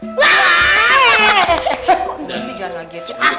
kok ngejual sih jualan lagi